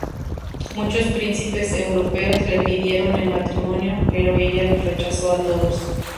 Muchos príncipes europeos le pidieron en matrimonio, pero ella los rechazó a todos.